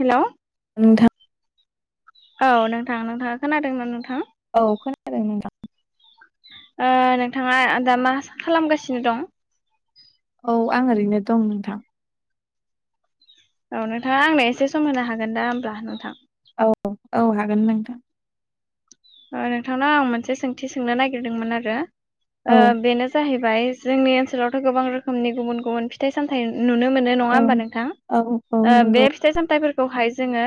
हेल'। नोंथां औ नोंथांा नोंथाङा खोनादों ना नोंथां। औ खोनादों नोंथां। नोंथाङा दा मा खालामगासिनो दं। औ आं ओरैनो दं नोंथां। औ नोंथाङा आंनो एसे सम होनो हागोन दा होमब्ला नोंथां। औ औ हागोन नोंथां। ओ नोंथांनाव आं मोनसे सोंथि सोंनो नागिरदोंमोन आरो ओ औ बेनो। जाहैबाय जोंनि ओनसोलावथ' गोबां रोखोमनि गुबुन गुबुन। फिथाइ सामथाइ नुनो मोनो नङा औ होमबा नोंथां औ औ ओ बे। नंगौ फिथाइ सामथाइफोरखौहाय जोङो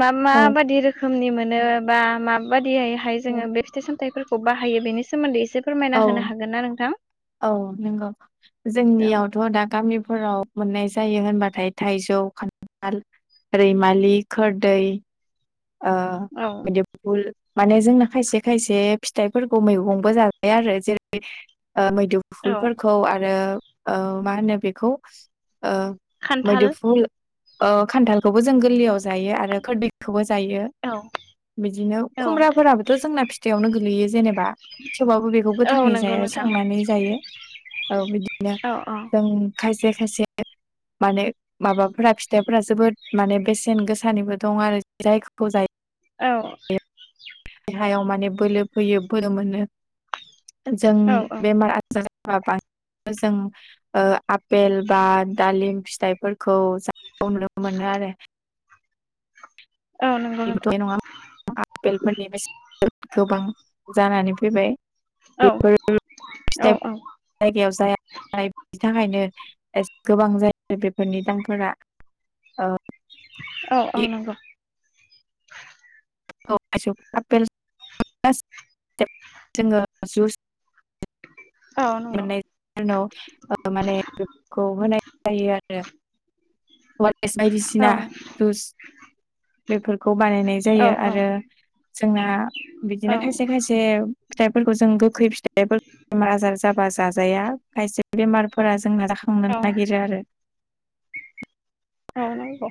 मा औ माबायदि रोखोमनि मोनो बा मा। बादियैहाय औ जोङो बे फिथाइ सामथाइफोरखौ बाहायो बेनि सोमोन्दै एसे औ फोरमायना होनो हागोन ना नोंथां। औ नंगौ औ जोंनियावथ' दा गामिफोराव। मोननाय जायो होनबाथाय थाइजौ खान्थाल रैमालि खोरदै ओ औ बिदि लु माने जोंना खायसे खायसे फिथाइफोरखौ मैगंबो जाबाय आरो जेरै ओ औ मैदुफुलफोरखौ आरो मा होनो बेखौ खान्थाल मैदुफुल ओ खान्थालखौबो जों गोरलयाव जायो आरो खोरदैखौबो जायो औ बिदिनो औ खुम्राफोराबोथ' जोंना फिथायाइआवनो गोगलैयो जेनेबा थेवबबो बेखौ औ गोथाङै नंगौ जाया नोंथां संनानै जायो औ जों खायसे खायसे माने माबाफोरा फिथाइफोरा जोबोद माने बेसेन गोसानिबो दं आरो जायखौ जायो औ। देहायाव माने बोलो फैयो बोलो मोनो जों औ औ बेमार [unintelligible] जों ओ आपेल बा दालिम फिथाइफोरखौ ज नुनो मोनो आरो। औ नंगौ नोंथां [unintelligible] गोबां जानानै फैबाय औ बेफोर औ फिथाइ औ। जायगायाव जाया बिनि [unintelligible] बेफोरनि दामफोरा ओ औ औ नंगौ। औ [unintelligible] [unintelligible] औ नंगौ। नाव ओ माने बेखौ होनाय जायो आरो। एस औ बायदिसिना दुस बेफोरखौ बानायनाय औ जायो औ आरो जोंना औ बिदिनो खायसे नंगौ खायसे' फिथाइफोरखौ जों गोखै फिथाइ बेमार आजार जाबा जाजाया खायसे बेमारफोरा जोंना जाखांनो नागिरो आरो। आ नगौ।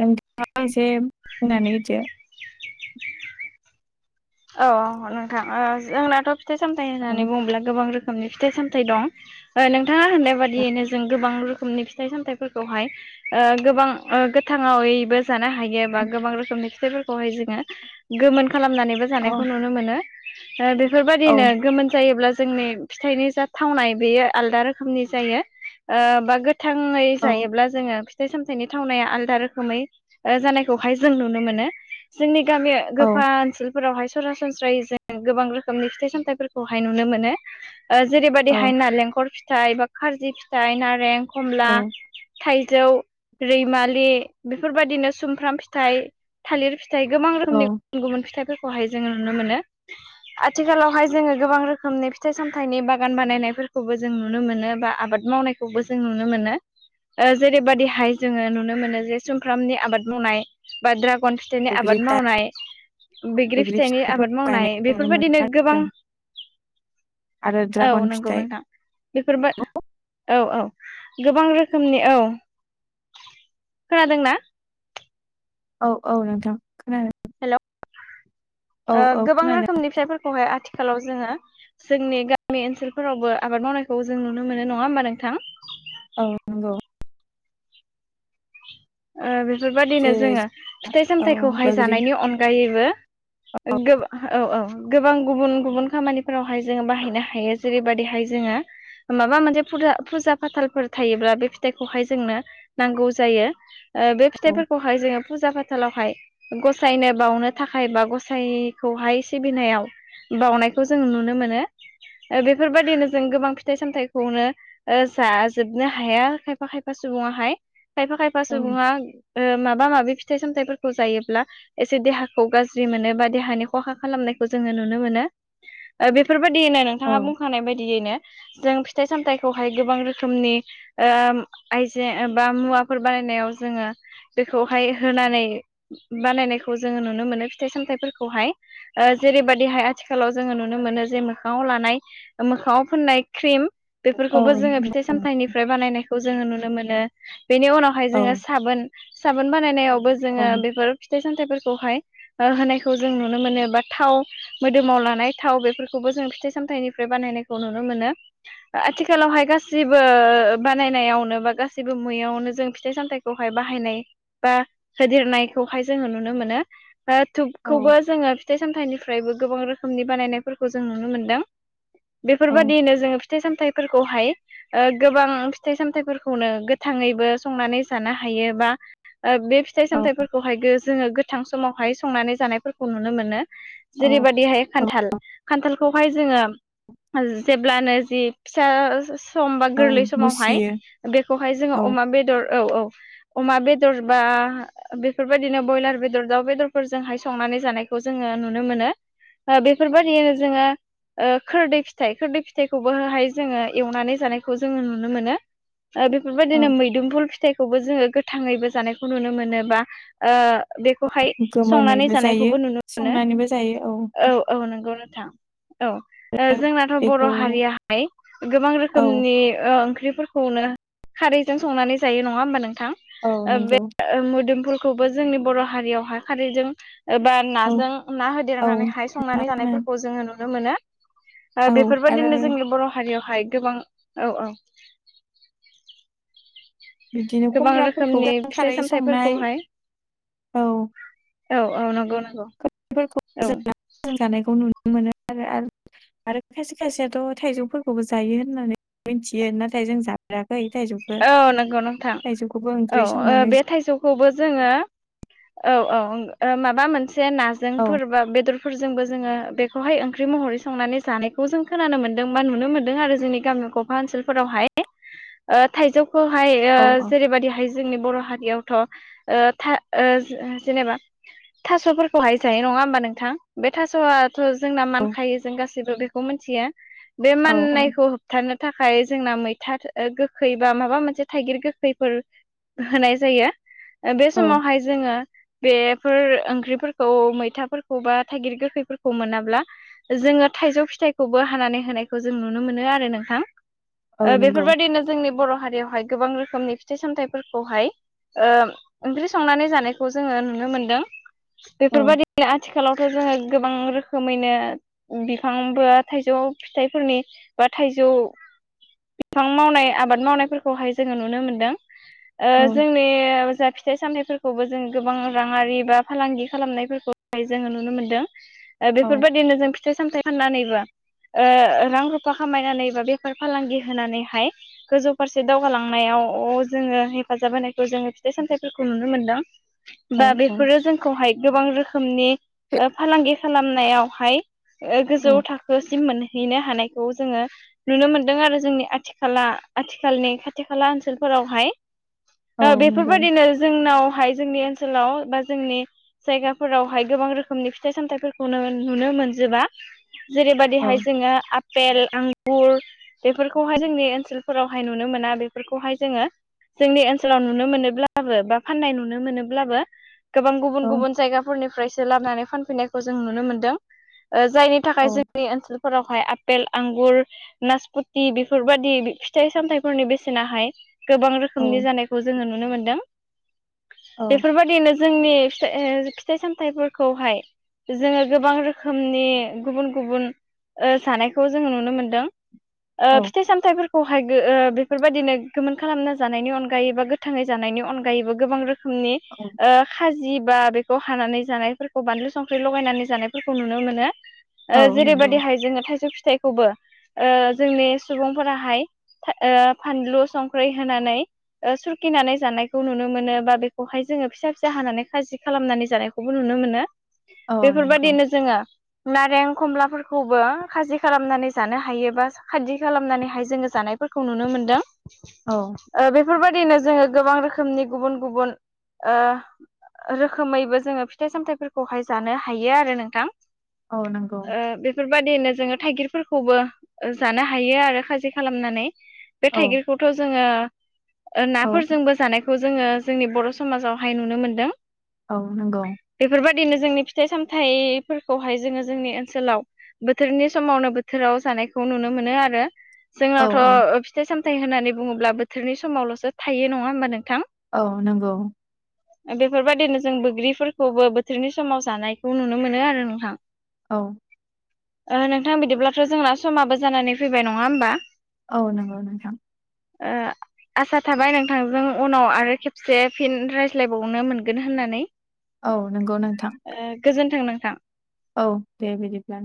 नोंथा एसे बुंनानै होदो औ औ नोंथां जोंनाथ' फिथाइ सामथाइ औ होननानै बुङोब्ला गोबां रोखोम रोखोमनि फिथाइ सामथाइ दं नोंथाङा होननाय औ बादियैनो जों गोबां रोखोमनि फिथाइ सामथाइ फोरखौहाय गोबां गोथाङावैबो जानो हायो बा गोबां रोखोमनि फिथाइफोरखौ खौहाय जोङो गोमोन खालामनानैबो औ जानायखौ नुनो मोनो। औ बेफोरबायदिनो गोमोन जायोब्ला जोंनि फिथाइनि जा थावनाय बेयो आलदा रोखोमनि जायो बा गोथाङै जायोब्ला जोङो फिथाइ सामथाइनि थावनाया आलदा रोखोमै जानायखौहाय जों नुनो मोनो जोंनि गामिया गोफा औ ओनसोलफोरावहाय सरासनस्रायै जों गोबां रोखोमनि फिथाइ सामथायाइफोरखौहाय नुनो मोनो। औ जेरैबायदिहाय नारेंखर फिथाइ बा खारजि फिथाइ नारें खमला थाइजौ रैमालि बेफोरबायदिनो सुमफ्राम फिथाइ थालिर फिथाइ फिथाइ गोबां रोखोमनि औ गुबुन गुबुन फिथाइफोरखौहाय जोङो नुनो मोनो। आथिखालावहाय जोङो गोबां रोखोमनि फिथाइ सामथाइनि बागान बानायनायफोरखौबो जों नुनो मोनो बा आबाद मावनायखौबो जों नुनो मोनो। जेरैबायदिहाय जोङो नुनो मोनो जे सुमफ्रामनि आबाद मावनाय। बा द्रागन फिथाइनि बैग्रि आबाद दा मावनाय। बैग्रि फिथाइनि आबाद [unintelligible] मावनाय नुनो बेफोरबायदिनो मोनो आरो गोबां जों आरो ड्रागन फिथाइ। बेफोरबाय औ औ गोबां रोखोमनि औ। खोनादों ना? औ औ नोंथां खोनादों। हेल' औ औ गोबां खोनादों रोखोमनि फायफोरखौहाय आथिखालाव जोङो। जोंनि गामि ओनसोलफोरावबो आबाद मावनायखौ जों नुनो मोनो नङा होमबा नोंथां? औ नंगौ। बेफोरबायदिनो जेरै जोङो फिथाइ औ सामथाइखौहाय बैग्रि जानायनि अनगायैबो ओ गोब - औ औ गोबां गुबुन गुबुन खामानिफोरावहाय जोङो बाहायनो हायो। जेरैबायदिहाय जोङो माबा मोनसे फुजा फाथालफोर थायोब्ला बे फिथाइखौहाय जोंनो नांगौ जायो। बे औ फिथाइफोरखौहाय जोङो फुजा फाथालावहाय गसायनो बावनो थाखाय बा गसायखौहाय सिबिनायाव बावनायखौ जों नुनो मोनो बेफोरबायदिनो जों गोबां फिथाइ सामथाइखौनो ओ जाजोबनो हाया खायफा खायफा सुबुङाहाय खायफा खायफा औ सुबुङा ओ माबा माबि फिथाइ सामथाइफोरखौ जायोब्ला एसे देहाखौ गाज्रि मोनो बा देहानि खहा खालामनायखौ जोङो नुनो मोनो। ओ बेफोरबायदियैनो नोंथाङा बुंखानाय बायदियैनो जों फिथाइ सामथाइखौहाय गोबां रोखोमनि ओ आइजोें बा मुवा फोर बानायनायाव जोङो बेखौहाय होनानै बानायनायखौ जोङो नुनो मोनो फिथाइ सामथाइफोरखौहाय ओ जेरैबायदिहाय आथिखालाव जोङो नुनो मोनो जे मोखाङाव लानाय मोखाङाव फोननाय क्रिम औ बेफोरखौबो जोङो फिथाइ सामथाइनिफ्राय बानायनायखौ जोङो नुनो मोनो बेनि उनावहाय औ जोङो साबोन साबोन बानायनायावबो औ जोङो बेफोर फिथाइ सामथाइफोरखौहाय होनायखौ जों नुनो मोनो बा थाव मोदोमाव लानाय थाव बेफोरखौबो जों फिथाइ सामथाइनिफ्राय बानायनायखौ नुनो मोनो। आथिखालावहाय गासिबो बानायनायावनो बा गासिबो मैयावनो जों फिथाइ सामथाइखौहाय बाहायनाय बा होदेरनायखौहाय जोङो नुनो मोनो। औ धुपखौबो जोङो फिथाइ सामथाइनिफ्रायबो गोबां रोखोमनि बानायनायफोरखौ जों नुनो मोनदों बेफोरबायदियैनो जोङो फिथाइ सामथायफोरखौहाय ओ गोबां फिथाइ सामथायफोरखौनो थाङैबो संनानै जानो हायो बा बे फिथाइ सामथाइफोरखौ हाय जोङो गोथां समावहाय संनानै जानायफोरखौ नुनो मोनो। औ जेरैबायदिहाय औ खान्थाल खान्थालखौहाय जोङो जेब्लानो जि फिसा सम बा औ गोरलै समावहाय मुसियो बेखौहाय जोङो औ अमा बेदर औ औ अमा बेदरबा बेफोरबायदिनो बयलार बेदर दाउ बेदरफोरजोंहाय संनानै जानायखौ जोङो नुनो मोनो। बेफोरबायदियनो जोङो। खोरदै फिथाइ खोरदै फिथाइखौबोहाय जोङो एवनानै जानायखौ जोङो नुनो मोनो। औ बेफोरबायदिनो मैदुमफुल फिथाइखौबो जोङो गोथाङैबो जानायखौ नुनो मोनो बा ओ बेखौहाय संनानै गोमोनैबो जायो जानायखौबो नुनो मोनो संनानैबो जायो औ औ नंगौ नोंथां। औ जोंनाथ' बर' बेखौ हारियाहाय गोबां औ रोखोमनि ओंख्रिफोर खौनो खारैजों संनानै जायो नङा होमबा नोंथां? औ नोंगौ। मोदोमफोरखौबो जोंनि बर' हारियावहाय खारैदों एबा औ नाजों ना औ होदेरनानै हाय मा संनानै होनो जानायफोरखौ जोङो नुनो मोनो। औ आरो बेफोरबादिनो जोंनि बर' हारियावहाय गोबां औ औ। बिदिनो गोबां खुमब्राफोरखौबो रोखोमनि जों खारै फिथाइ संनाय सामथाइफोरखौहाय औ औ औ नंगौ नंगौ। फोरखौ औ [unintelligible] जानायखौ नुनो मोनो आरो आरो खायसे खायसेयाथ' थाइजौफोरखौबो जायो होननानै मिथियो नाथाय जों जा फेराखै थाइजौखौ औ नंगौ नोंथां थाइजौखौबो ओंख्रि संनानै खौबो जोङो औ औ ओ माबा मोनसे औ नाजोंफोर बा बेदर फोरजोंबो जोङो बेखौहाय ओंख्रि महरै संनानै जानायखौ जों खोनानो मोनदों बा नुनो मोन्दों आरो जोंनि गामियाव। ओनसोलफोरावहाय ओ थाइजौखौहाय ओ औ औ जेरैबायदिहाय जोंनि बर' हारियावथ' ओ था जेनेबा थास'फोरखौहाय जायो नङा होमबा नोंथां बे थास'आ। जोंना औ मानखायो जों गासैबो बेखौ मिन्थियो बे औ औ माननायखौ। होबथानो थाखाय जोंना मैथा ओ गो खै बा माबा मोनसे थाइगिर गोखैफोर होनाय जायो बे औ समावहाय। जोङो। बेफोर ओंख्रिफोरखौ मैथाफोरखौ बा थाइगिर गोखैफोरखौ मोनाब्ला। जोङो थाइजौ फिथाइखौबो हानानै होनायखौ जों नुनो मोनो आरो नोंथां। औ नंगौ बेफोरबायदिनो जोंनि बर' हारियावहाय गोबां रोखोमनि फिथाइ सामथाइफोरखौहाय। ओंख्रि संनानै जानायखौ जोङो नुनो मोनदों औ बेफोरबायदि। आथिखालावथ' जोङो गोबां रोखोमैनो। बिफां बा थाइजौ फिथाइफोरनि बा थाइजौ बिफां मावनाय। आबाद मावनायफोरखौहाय जोङो नुनो मोनदों औ जोंनि जा फिथाइ सामथाइफोरखौ खौबो जों गोबां राङारि बा फालांगि खालामनायफोरखौहाय जोङो नुनो मोनदों। औ बेफोरबायदिनो जों। फिथाइ सामथाइ फाननानैबो रां रुफा खामायनानै बा बेफार फालांगि होनानैहाय। गोजौ फारसे दावगालांनायाव जोङो हेफाजाब होनायखौ जोङो फिथाइ सामथाइफोरखौ नुनो मोनदों। औ बा बेफोरो जोंखौहाय गोबां रोखोमनि फालांगि खालामनायावहाय गोजौ औ थाखो सिम मोनहैनो हानायखौ जोङो नुनो मोनदों आरो जोंनि आथिखाला। आथिखालनि खाथि खाला ओनसोलफोरावहाय औ दा नंगौ बेफोरबायदिनो जोंनावहाय। जोंनि ओनसोलाव बा जोंनि जायगाफोरावहाय गोबां रोखोमनि फिथाइ सामथायाइफोरखौनो नुनो मोनजोबा। जेरैबायदिहाय औ जोङो आपेल, आंगुर बेफोरखौहाय जोंनि ओनसोल फोरावहाय नुनो मोना बेफोरखौहाय जोङो। जोंनि ओनसोलाव नुनो मोनोब्लाबो बा फाननाय नुनो मोनोब्लाबो गोबां गुबुन औ गुबुन जायगाफोरनिफ्रायसो लाबोनानै फानफैनायखौ जों नुनो मोनदों। जायनि थाखाय औ जोंनि ओनसोल। फोरावहाय आपेल आंगुर नासपथि बेफोरबाददि फिथाइ सामथाइफोरनि बेसेनाहाय गोबां औ रोखोमनि जानायखौ जोङो नुनो मोनदों। औ बेफोरबायदिनो जोंनि फिथाइ सामथाइफोरखौहाय। जोङो गोबां रोखोमनि गुबुन गुबुन जानायखौ जोङो नुनो मोनदों औ फिथाइ सामथायफोरखौ खौहाय बेफोरबायदिनो गोमोन खालामना जानायनि अनगायै बा गोथाङै जानायनि अनगायैबो गोबां रोखोमनि। औ। खाजि बा बेखौ हानानै जानायफोरखौ बानलु संख्रि लगायनानै जानायफोरखौ नुनो मोनो। औ नंगौ जेरैबायदिहाय जोङो थाइजौ फिथाइखौबो जोंनि सुबुंफोराहाय। फानलु संख्रि होनानै सुरखिनानै जानायखौ नुनो मोनो बा बेखौहाय जोङो फिसा फिसा हानानै खाजि खालामनानै जानायखौ खौबो नुनो मोनो औ नंगौ बेफोरबायदिनो जोङो। नारें खमलाफोरखौबो खाजि खालामनानै जानो हायोबा खादि खालामनानै हायजें जोङो जानायफोरखौ नुनो मोनदों। औ। बेफोरबायदिनो जोङो गोबां रोखोमनि गुबुन गुबुन रोखोमैबो जोङो फिथाइ सामथाइफोरखौहाय जानो हायो आरो नोंथां। औ नंगौ बेफोरबायदिनो जोङो थाइगिरफोरखौबो जानो हायो आरो खाजि। खालामनानै बे औ थाइगिरखौथ' जोङो औ नाफोरजोंबो जानाय। खौ जोङो जोंनि बर' समाजावहाय नुनो मोनदों। औ नंगौ। बेफोरबायाददिनो जोंनि फिथाइ सामथाइफोरखौहाय जोङो जोंनि ओनसोलाव बोथोरनि समावनो बोथोराव जानायखौ नुनो मोनो आरो। औ औ जोंनावथ' फिथाइ सामथथाय होननानै बुङोब्ला बोथोरनि समावल'सो थायो नङा होमबा नोंथां। औ नंगौ। [inaudible] बेफोरबायाददिनो जों बैग्रिफोरखौबो बोथोरनि समाव जानायखौ नुनो मोनो आरो नोंथां। औ ओ नोंथां बिदिब्लाथ' जोंना समाबो जानानै फैबाय नङा होमबा औ नंगौ नोंथां। ओ आसा थाबाय नोंथांजों उनाव आरो खेबसे फिन रायज्लायबावनो मोनगोन होननानै। औ नंगौ नोंथां। ओ गोजोन्थों नोंथां। औ दे बिदिब्ला।